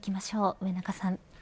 上中さん。